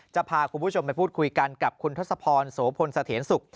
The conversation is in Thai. จะพาคุณผู้ชมไปพูดคุยกันกับคุณทศพรโสพลสะเทียนสุข